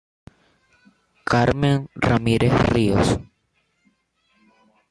Carmen Ramírez Ríos.